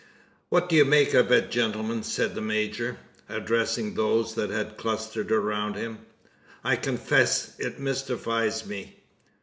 "What do you make of it, gentlemen?" said the major, addressing those that had clustered around him: "I confess it mystifies me."